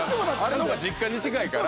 あれの方が実家に近いから。